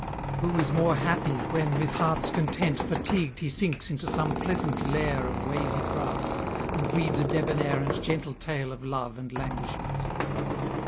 Who is more happy, when, with hearts content, Fatigued he sinks into some pleasant lair Of wavy grass, and reads a debonair And gentle tale of love and languishment?